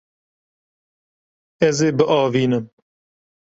Ez ê biavînim.